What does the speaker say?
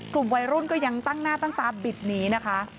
กลุ่มวัยรุ่นก็ยังตั้งหน้าตั้งตาบิดหนีนะคะ